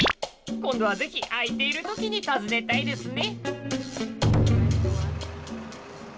今度は是非開いている時に訪ねたいですね。